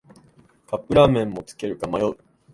カップラーメンもつけるか迷う